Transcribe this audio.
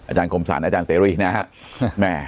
อาจารย์กมศาลอาจารย์เสรีนะครับ